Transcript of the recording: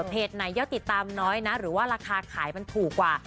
เพจไหนยอดติดตามน้อยนะหรือว่ารากาศขายตรงเฉพาะกว่า